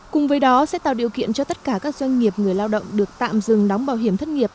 cùng với đó sẽ tạo điều kiện cho tất cả các doanh nghiệp người lao động được tạm dừng đóng bảo hiểm thất nghiệp